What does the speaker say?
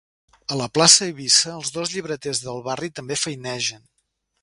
A la plaça Eivissa els dos llibreters del barri també feinegen.